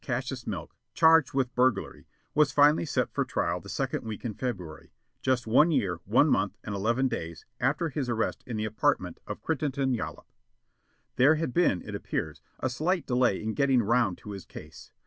Cassius Smilk, charged with burglary, was finally set for trial the second week in February, just one year, one month and eleven days after his arrest in the apartment of Crittenden Yollop. There had been, it appears, a slight delay in getting 'round to his case.